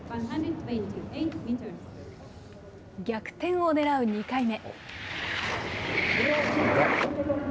逆転を狙う２回目。